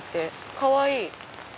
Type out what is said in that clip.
かわいい。